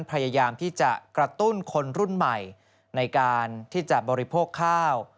พยายามที่จะกระตุ้นคนรุ่นใหม่ในการที่จะบริโภคข้าว